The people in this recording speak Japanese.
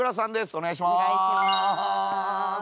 お願いします。